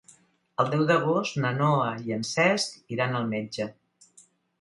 El deu d'agost na Noa i en Cesc iran al metge.